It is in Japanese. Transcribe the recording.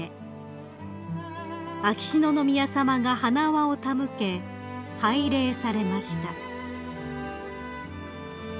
［秋篠宮さまが花輪を手向け拝礼されました］